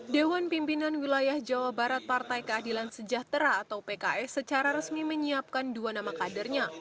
dewan pimpinan wilayah jawa barat partai keadilan sejahtera atau pks secara resmi menyiapkan dua nama kadernya